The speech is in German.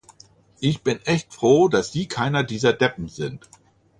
Ich bin echt froh, dass Sie keiner dieser Deppen sind.